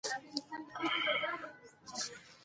ښکارې چې څه ښکار کړي وو، د هغه غوښه يې را ښکاره کړه